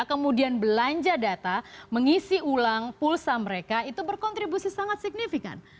kemudian belanja data mengisi ulang pulsa mereka itu berkontribusi sangat signifikan